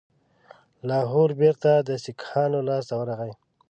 لاهور بیرته د سیکهانو لاسته ورغی.